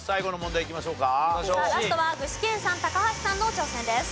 さあラストは具志堅さん高橋さんの挑戦です。